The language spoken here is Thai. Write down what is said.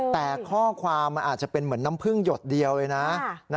แต่ข้อความมันอาจจะเป็นเหมือนน้ำพึ่งหยดเดียวเลยนะ